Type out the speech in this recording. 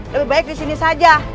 lebih baik disini saja